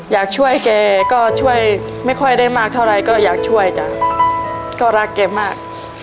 อยากช่วยแกก็ช่วยไม่ค่อยได้มากเท่าไรก็อยากช่วยจ้ะก็รักแกมาก